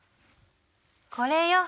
これよ。